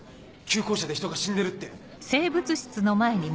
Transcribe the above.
旧校舎で人が死んでるって！